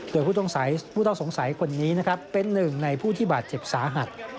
โดยผู้ต้องสงสัยคนนี้นะครับเป็นหนึ่งในผู้ที่บาดเจ็บสาหัส